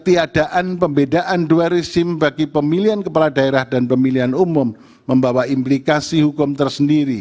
halaman delapan belas sembilan belas dianggap telah dibacakan